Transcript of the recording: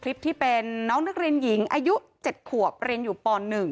คลิปที่เป็นน้องนักเรียนหญิงอายุ๗ขวบเรียนอยู่ป๑